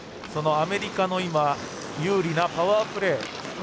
アメリカの有利なパワープレー。